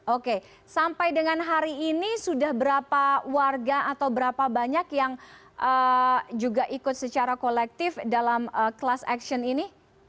oke sampai dengan hari ini sudah berapa warga atau berapa banyak yang juga ikut secara kolektif dalam class action ini